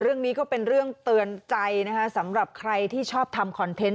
เรื่องนี้ก็เป็นเรื่องเตือนใจนะคะสำหรับใครที่ชอบทำคอนเทนต์